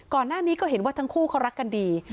ก่อนหน้านี้ก็เห็นว่าทั้งคู่เขารักกันดี